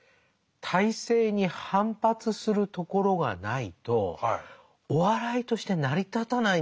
体制に反発するところがないとお笑いとして成り立たないんですよね。